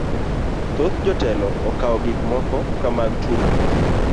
Thoth jotelo okawo gik moko ka mag tugo